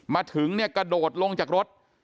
มาถึงกระโดดลงจากรถ